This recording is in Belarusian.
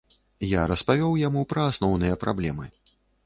Я распавёў яму пра асноўныя праблемы.